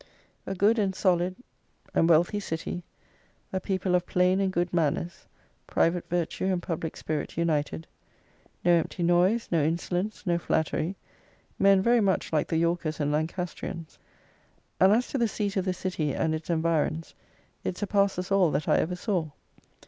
A good and solid and wealthy city: a people of plain and good manners; private virtue and public spirit united; no empty noise, no insolence, no flattery; men very much like the Yorkers and Lancastrians. And as to the seat of the city and its environs, it surpasses all that I ever saw.